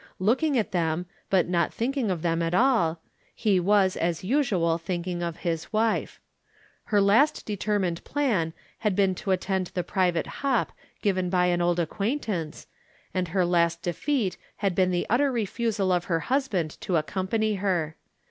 Looking at them, but not thinking of them at all, he was, as usual, thinking of his wife. Her last determined plan had been to attend the private hop given by an old acquaintance, and her last defeat had been the utter refusal of her husband to accompany her.